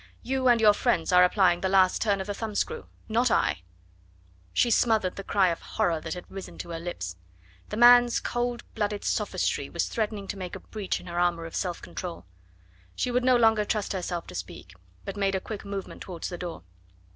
You and your friends are applying the last turn of the thumbscrew, not I " She smothered the cry of horror that had risen to her lips. The man's cold blooded sophistry was threatening to make a breach in her armour of self control. She would no longer trust herself to speak, but made a quick movement towards the door.